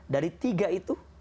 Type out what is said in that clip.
dari tiga itu